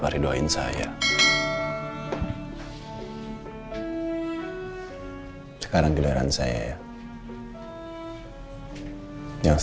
baik du inspirasil yuh